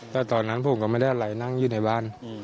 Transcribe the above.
แต่ตอนนั้นผมก็ไม่ได้อะไรนั่งอยู่ในบ้าน